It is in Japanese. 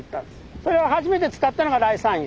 それを初めて使ったのが頼山陽。